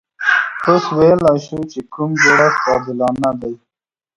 اوس ویلای شو چې کوم جوړښت عادلانه دی.